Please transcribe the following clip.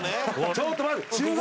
ちょっと待って。